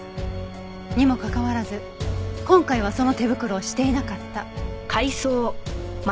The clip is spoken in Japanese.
にもかかわらず今回はその手袋をしていなかった。